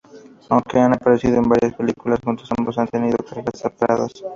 Aunque han aparecido en varias películas juntos, ambos han tenido carreras separadas.